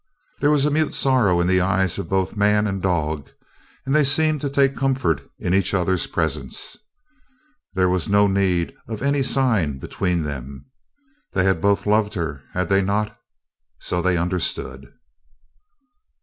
There was a mute sorrow in the eyes of both man and dog, and they seemed to take comfort in each other's presence. There was no need of any sign between them. They had both loved her, had they not? So they understood.